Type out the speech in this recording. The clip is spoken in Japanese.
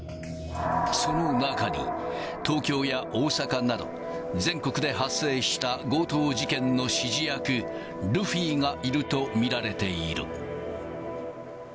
その中に、東京や大阪など、全国で発生した強盗事件の指示役、ルフィがいると見られている。